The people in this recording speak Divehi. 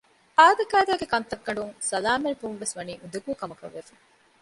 އާދަކާދައިގެ ކަންތައްގަނޑުން ސަލާމަތްވުންވެސް ވަނީ އުނދަގޫ ކަމަކަށް ވެފަ